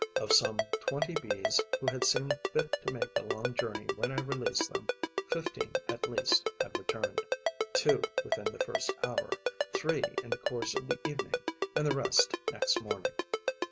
Of some twenty Bees who had seemed fit to make the long journey when I released them, fifteen at least had returned: two within the first hour, three in the course of the evening and the rest next morning.